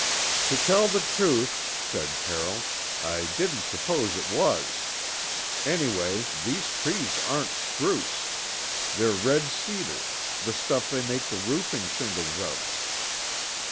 "To tell the truth," said Carroll, "I didn't suppose it was. Anyway, these trees aren't spruce. They're red cedar, the stuff they make the roofing shingles of."